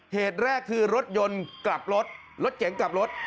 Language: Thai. เหตุแรกคือรถยนต์กลับรถรถเก๋งกลับรถ